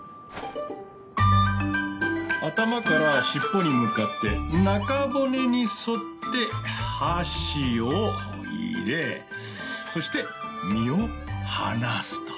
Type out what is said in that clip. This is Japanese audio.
頭から尻尾に向かって中骨に沿って箸を入れそして身を剥がすと。